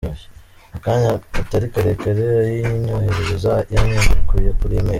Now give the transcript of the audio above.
Mu kanya katari karekare ayinyoherereza yayandukuye kuli email.